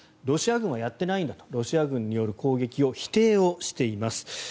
ロシア軍はやっていないんだとロシア軍による攻撃を否定しています。